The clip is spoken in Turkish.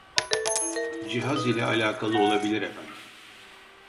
Cihaz ile alakalı olabilir efendim